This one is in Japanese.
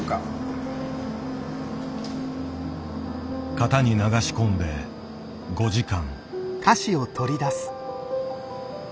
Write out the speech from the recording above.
型に流し込んで５時間。